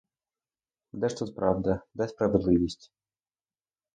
Де ж тут правда, де справедливість?